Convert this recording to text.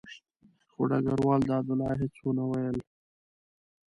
خو ډګروال دادالله هېڅ ونه ویل.